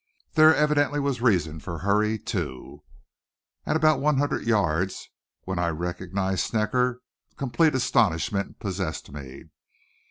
There evidently was reason for hurry, too. At about one hundred yards, when I recognized Snecker, complete astonishment possessed me.